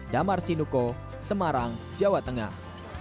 damar sinuko semarang jawa tengah